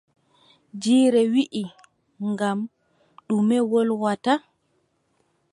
Jiire wii gaw: ɗume mbolwata?